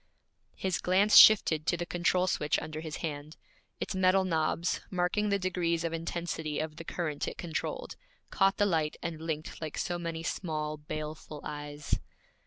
His glance shifted to the control switch under his hand. Its metal knobs, marking the degrees of intensity of the current it controlled, caught the light and blinked like so many small, baleful eyes.